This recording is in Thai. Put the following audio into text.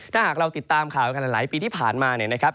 ถ้าหากเราติดตามข่าวกันหลายปีที่ผ่านมาเนี่ยนะครับ